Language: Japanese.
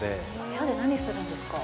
部屋で何するんですか？